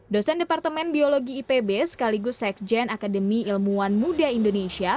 dosen departemen biologi ipb sekaligus sekjen akademi ilmuwan muda indonesia